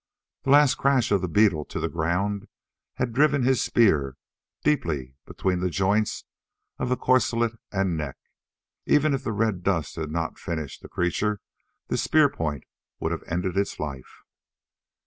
The last crash of the beetle to the ground had driven his spear deeply between the joints of the corselet and neck. Even if the red dust had not finished the creature, the spear point would have ended its life.